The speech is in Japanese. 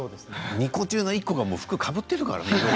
２個中の１個は服かぶっているからね。